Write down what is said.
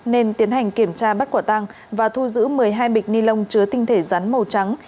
nên tiến hành kiểm tra bắt quả tăng và thu giữ một mươi hai bịch ni lông chứa tinh thể rắn màu trắng